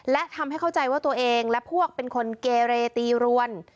และทำให้เข้าใจว่าตัวเองและพวกเป็นคนเกเรตีรวน